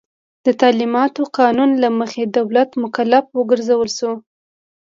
د تعلیماتو قانون له مخې دولت مکلف وګرځول شو.